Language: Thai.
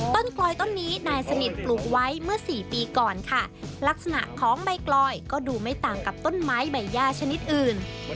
กลอยต้นนี้นายสนิทปลูกไว้เมื่อสี่ปีก่อนค่ะลักษณะของใบกลอยก็ดูไม่ต่างกับต้นไม้ใบย่าชนิดอื่น